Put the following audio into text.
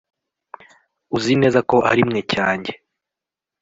Uzi neza ko arimwe cyanjye